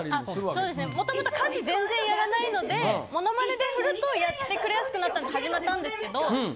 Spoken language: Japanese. そうですね元々家事全然やらないのでモノマネで振るとやってくれやすくなったので始まったんですけど。